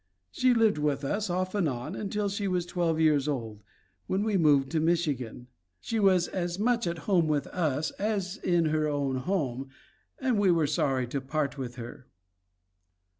She lived with us, off and on, until she was twelve years old, when we moved to Michigan. She was as much at home with us as in her own home and we were sorry to part with her."